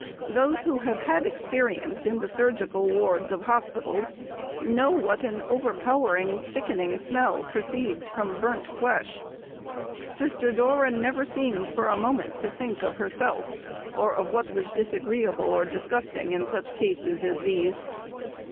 Those who have had experience in the surgical wards of hospitals know what an overpowering and sickening smell proceeds from burnt flesh. Sister Dora never seemed for a moment to think of herself or of what was disagreeable and disgusting in such cases as these.